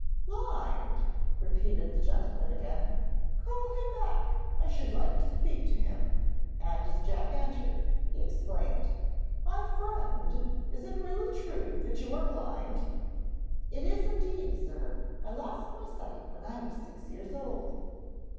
'Blind!' repeated the gentleman again. 'Call him back. I should like to speak to him,' and as Jack entered he exclaimed: 'My friend, is it really true that you are blind?' 'It is indeed, sir. I lost my sight when I was six years old.'